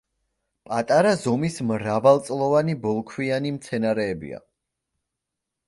პატარა ზომის მრავალწლოვანი ბოლქვიანი მცენარეებია.